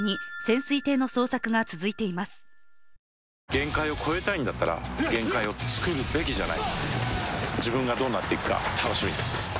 限界を越えたいんだったら限界をつくるべきじゃない自分がどうなっていくか楽しみです